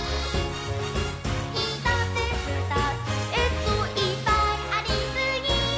「ひとつふたつえっといっぱいありすぎー！！」